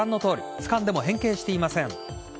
つかんでも変形していません。